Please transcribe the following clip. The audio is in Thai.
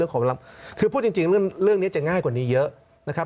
ขอเวลาคือพูดจริงเรื่องนี้จะง่ายกว่านี้เยอะนะครับ